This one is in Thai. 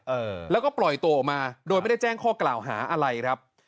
เออแล้วก็ปล่อยตัวออกมาโดยไม่ได้แจ้งข้อกล่าวหาอะไรครับ